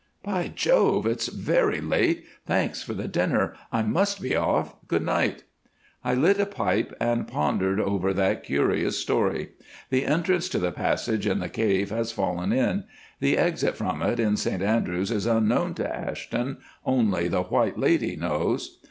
"By Jove! It's very late, thanks for the dinner, I must be off. Good night." I lit a pipe and pondered over that curious story. The entrance to the passage in the cave has fallen in; the exit from it in St Andrews is unknown to Ashton—only the White Lady knows.